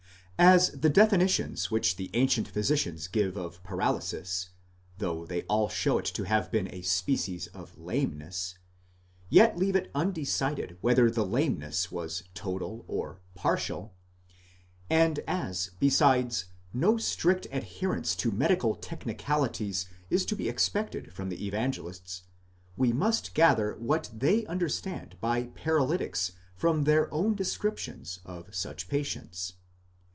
As the definitions which the ancient physicians give of paralysis, though they all show it to have been a species of lameness, yet leave it undecided whether the lameness was total or partial ;® and as, besides, no strict adhe rence to medical technicalities is to be expected from the Evangelists, we must gather what they understand by paralytics from their own descriptions of such patients.